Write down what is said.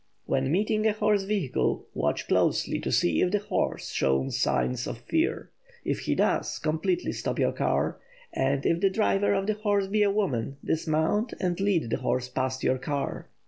When meeting a horse vehicle watch closely to see if the horse shows signs of fear. If he does, completely stop your car, and if the driver of the horse be a woman, dismount and lead the horse past your car.